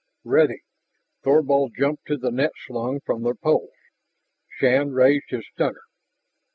"Ready!" Thorvald jumped to the net slung from the poles; Shann raised his stunner.